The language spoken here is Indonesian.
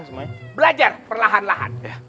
kemudian belajar perlahan lahan